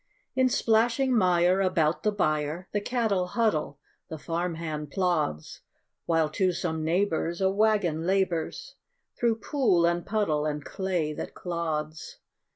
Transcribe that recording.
In splashing mire about the byre The cattle huddle, the farm hand plods; While to some neighbor's a wagon labors Through pool and puddle and clay that clods.